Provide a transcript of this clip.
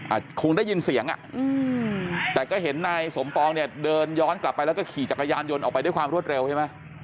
คงได้ยินเสียงอ่ะอืมแต่ก็เห็นนายสมปองเนี่ยเดินย้อนกลับไปแล้วก็ขี่จักรยานยนต์ออกไปด้วยความรวดเร็วใช่ไหม